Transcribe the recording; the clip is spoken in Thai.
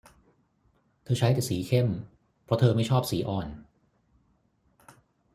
เธอใช้แต่สีเข้มเพราะเธอไม่ชอบสีอ่อน